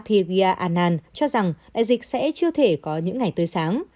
thì abiyagia anand cho rằng đại dịch sẽ chưa thể có những ngày tươi sáng